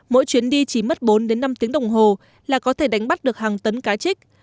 mỗi chuyến đi chỉ mất bốn đến năm tiếng đồng hồ là có thể đánh bắt được hàng tấn cá trích